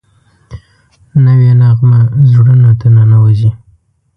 نوې نغمه زړونو ته ننوځي